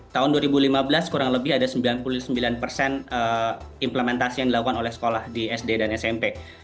tahun dua ribu lima belas kurang lebih ada sembilan puluh sembilan persen implementasi yang dilakukan oleh sekolah di sd dan smp